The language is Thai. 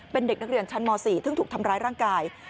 เป็นเด็กนักเรียนชั้นม๔ซึ่งถูกทำร้ายร่างกาย